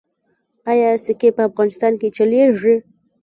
آیا سکې په افغانستان کې چلیږي؟